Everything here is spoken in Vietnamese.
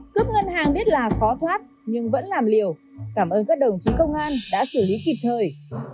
cướp ngân hàng biết là khó thoát nhưng vẫn làm liều cảm ơn các đồng chí công an đã xử lý kịp thời